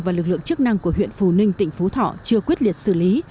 và lực lượng chức năng của huyện phù ninh tỉnh phú thọ chưa quyết liệt xử lý